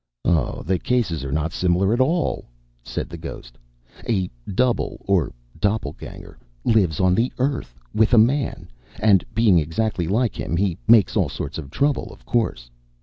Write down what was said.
"Oh! the cases are not similar at all," said the ghost. "A double or doppelgänger lives on the earth with a man; and, being exactly like him, he makes all sorts of trouble, of course.